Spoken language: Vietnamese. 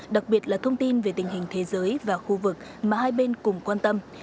đặc biệt là thông tin về tình hình thế giới và khu vực mà hai bên cùng quan tâm